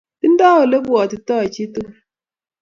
Tindo elepwatito chi tukul